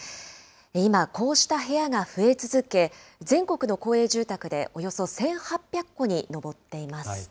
今、こうした部屋が増え続け、全国の公営住宅でおよそ１８００戸に上っています。